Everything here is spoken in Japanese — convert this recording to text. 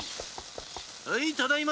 はいただいま！